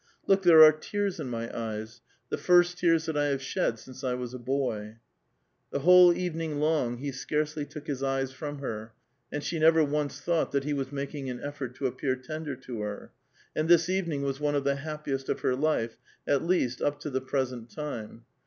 Look, there are tears in my eyes, the first tears that I have shed since I was a boy !*' Tbe whole evening long be scarcely took his eyes from lier, and she never once thought that he was making an effort to appear tender to her ; and this evening was one of the happiest of her life, at least, up to the present time.